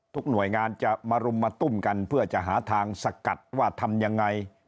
หน่วยงานจะมารุมมาตุ้มกันเพื่อจะหาทางสกัดว่าทำยังไง